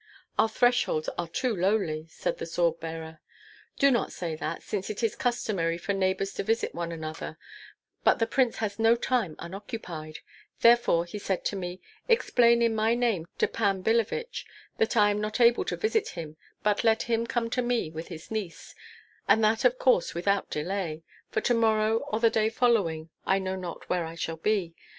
"Our thresholds are too lowly," said the sword bearer. "Do not say that, since it is customary for neighbors to visit one another; but the prince has no time unoccupied, therefore he said to me, 'Explain in my name to Pan Billevich that I am not able to visit him, but let him come to me with his niece, and that of course without delay, for to morrow or the day following I know not where I shall be.'